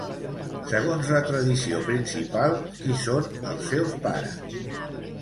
Segons la tradició principal, qui són els seus pares?